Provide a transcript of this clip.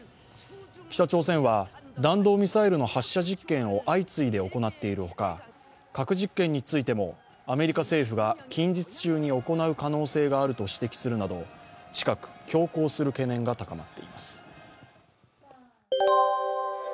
北朝鮮は、弾道ミサイルの発射実験を相次いで行っているほか核実験についてもアメリカ政府が近日中に行う可能性があると指摘するなど、近く強行する懸念が高まっています。